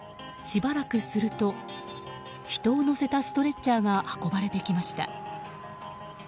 しばらくすると人を乗せたストレッチャーが運ばれていきました。